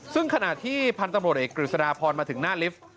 ซึ่งขณะที่พันธุ์ตำรวจเอกกฤษฎาพรมาถึงหน้าลิฟต์